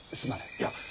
いや。